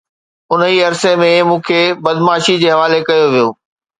انهيءَ عرصي ۾ مون کي بدعاشمي جي حوالي ڪيو ويو